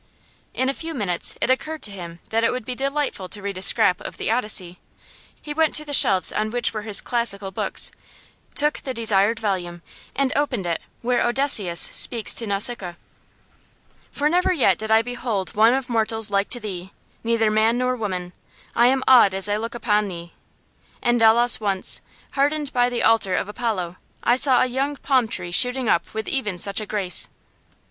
In a few minutes it occurred to him that it would be delightful to read a scrap of the 'Odyssey'; he went to the shelves on which were his classical books, took the desired volume, and opened it where Odysseus speaks to Nausicaa: 'For never yet did I behold one of mortals like to thee, neither man nor woman; I am awed as I look upon thee. In Delos once, hard by the altar of Apollo, I saw a young palm tree shooting up with even such a grace.